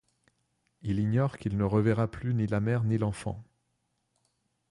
Il ignore qu'il ne reverra plus ni la mère, ni l'enfant.